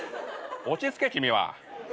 落ち着け君は。